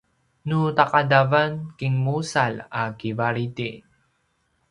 nu ta’adavan kinmusalj a kivalidi